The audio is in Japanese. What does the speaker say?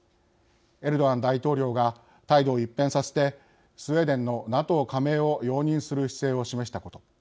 エルドアン大統領が態度を一変させてスウェーデンのＮＡＴＯ加盟を容認する姿勢を示したこと。